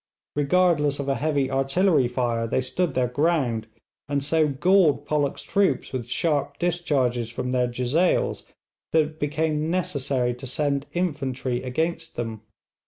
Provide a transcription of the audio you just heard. Regardless of a heavy artillery fire they stood their ground, and so galled Pollock's troops with sharp discharges from their jezails that it became necessary to send infantry against them.